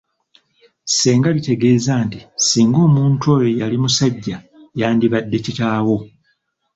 Ssenga litegeeza nti, singa omuntu oyo yali musajja yandibadde kitaawo.